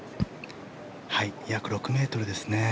約６ｍですね。